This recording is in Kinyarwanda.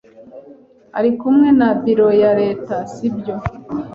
Ari kumwe na biro ya leta, si byo?